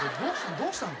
どうしたの？